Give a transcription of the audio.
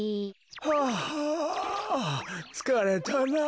はぁつかれたなあ。